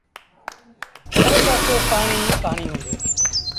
هر پآسي پآڻيٚ ئيٚ پآڻيٚ هُݩدو۔